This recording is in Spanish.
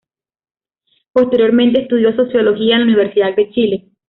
Posteriormente, estudió sociología en la Universidad de Chile.